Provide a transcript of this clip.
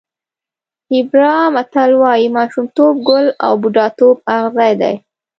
هېبرا متل وایي ماشومتوب ګل او بوډاتوب اغزی دی.